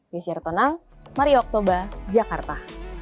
fisir tonang mario oktober jakarta